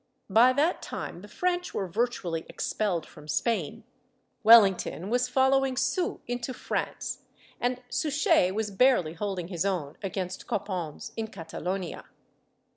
^ By that time the French were virtually expelled from Spain; Wellington was following Soult into France, and Suchet was barely holding his own against Copons in Catalonia.